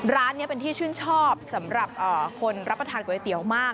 ร้านนี้เป็นที่ชื่นชอบสำหรับคนรับประทานก๋วยเตี๋ยวมาก